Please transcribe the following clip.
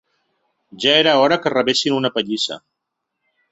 Ja era hora que rebessin una pallissa